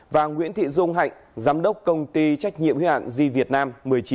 và nguyễn thị dung hạnh giám đốc công ty trách nhiệm hiểu hạn g việt nam một mươi chín